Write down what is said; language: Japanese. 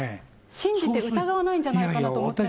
信じて疑わないんじゃないかなと思いますよね。